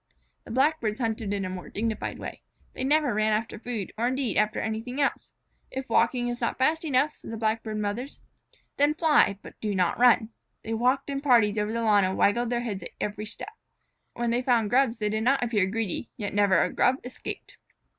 The Blackbirds hunted in a more dignified way. They never ran after food, or indeed after anything else. "If walking is not fast enough," the Blackbird mothers say, "then fly, but do not run." They walked in parties over the lawn and waggled their heads at each step. When they found Grubs they did not appear greedy, yet never a Grub escaped.